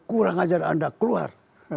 kurang ajar anda keluar